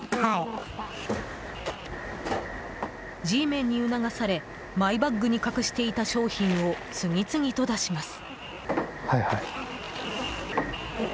Ｇメンに促され、マイバッグに隠していた商品を次々と出します。